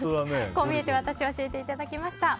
こう見えてワタシを教えていただきました。